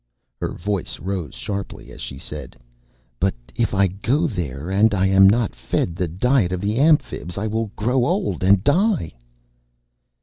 Her voice rose sharply as she said, "But if I go there, and I am not fed the diet of the Amphibs, I will grow old and die!"